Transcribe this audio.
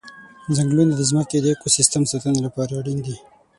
ځنګلونه د ځمکې د اکوسیستم ساتنې لپاره اړین دي.